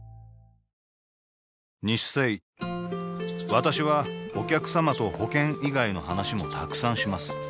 私はお客様と保険以外の話もたくさんします